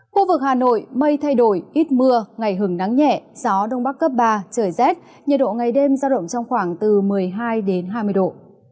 khu vực hà nội mây thay đổi ít mưa ngày hứng nắng nhẹ gió đông bắc cấp ba trời rét nhiệt độ ngày đêm giao động trong khoảng từ một mươi hai đến hai mươi độ